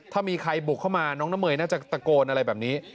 ถ้ามีใครบุกเข้ามาน้องน้ำเมยน่าจะตะโกนอะไรแบบนี้